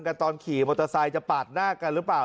ตอนขี่มอเตอร์ไซค์จะปาดหน้ากันหรือเปล่า